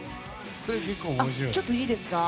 ちょっといいですか？